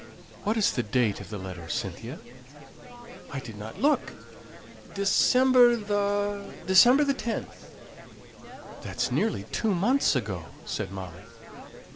"What is the date of the letter, Cynthia?" "I didn't look. December the December the 10th." "That's nearly two months ago," said Molly.